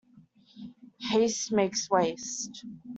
Haste makes waste.